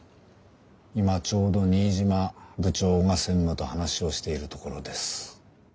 今ちょうど新島部長が専務と話をしているところです。